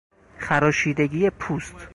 خراشیدگی پوست